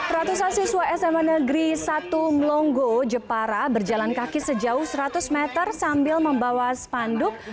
ratusan siswa sma negeri satu melongo jepara berjalan kaki sejauh seratus meter sambil membawa spanduk